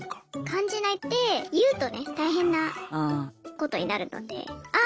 感じないって言うとね大変なことになるのであ